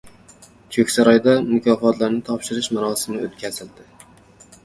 Ko‘ksaroyda mukofotlarni topshirish marosimi o‘tkazildi